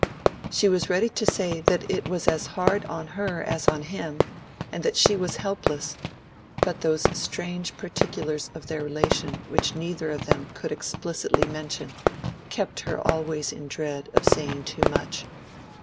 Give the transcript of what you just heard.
She was ready to say that it was as hard on her as on him, and that she was helpless; but those strange particulars of their relation which neither of them could explicitly mention kept her always in dread of saying too much.